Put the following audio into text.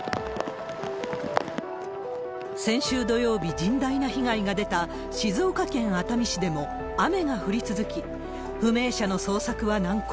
先週土曜日、甚大な被害が出た静岡県熱海市でも雨が降り続き、不明者の捜索は難航。